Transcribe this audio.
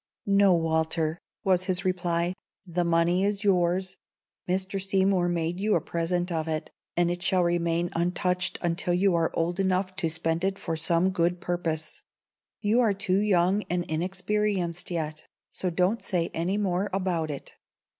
"No, Walter," was his reply. "The money is yours. Mr. Seymour made you a present of it, and it shall remain untouched until you are old enough to spend it for some good purpose. You are too young and inexperienced yet; so don't say any more about it.